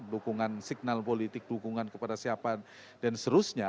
dukungan signal politik dukungan kepada siapa dan seterusnya